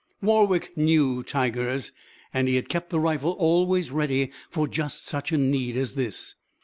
Warwick knew tigers, and he had kept the rifle always ready for just such a need as this.